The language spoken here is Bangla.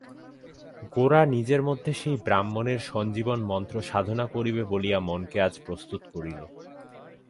গোরা নিজের মধ্যে সেই ব্রাহ্মণের সঞ্জীবন-মন্ত্র সাধনা করিবে বলিয়া মনকে আজ প্রস্তুত করিল।